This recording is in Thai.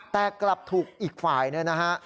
แต่กลับถูกอีกฝ่ายเนี่ยนะฮะ